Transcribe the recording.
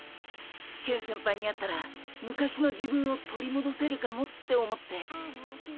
ケン先輩に会ったら昔の自分を取りもどせるかもって思って。